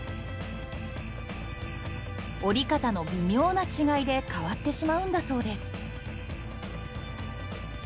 折り方の微妙な違いで変わってしまうんだそうです。